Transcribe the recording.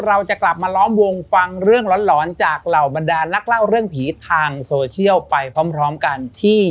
เราจะกลับมาล้อมวงฟังเรื่องหลอนจากเหล่าบรรดานนักเล่าเรื่องผีทางโซเชียลไปพร้อมกันที่